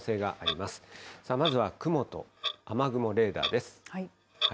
まずは雲と雨雲レーダーです。